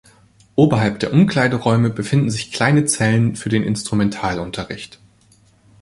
Oberhalb der Umkleideräume befinden sich kleine Zellen für den Instrumentalunterricht.